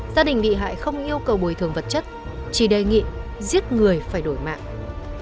gia đình bị hại không yêu cầu bồi thường vật chất chỉ đề nghị giết người phải đổi mạng